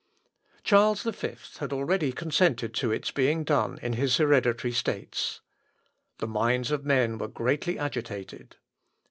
Charles V had already consented to its being done in his hereditary states. The minds of men were greatly agitated.